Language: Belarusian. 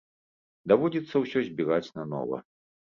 Даводзіцца ўсё збіраць нанова.